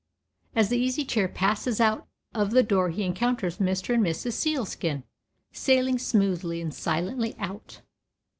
As the Easy Chair passes out of the door he encounters Mr. and Mrs. Sealskin, sailing smoothly and silently out.